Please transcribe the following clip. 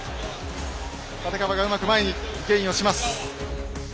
立川がうまく前にゲインをします。